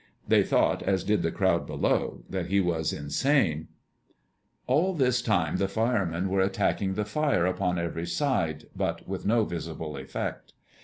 They thought, as did the crowd below, that he was insane. All this time the firemen were attacking the fire upon every side, but with no visible effect.